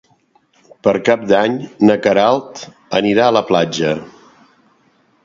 Per Cap d'Any na Queralt anirà a la platja.